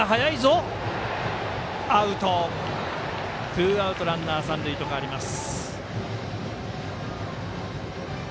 ツーアウトランナー、三塁と変わります。